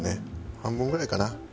半分ぐらいかな。